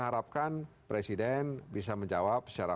harapkan presiden bisa menjawab secara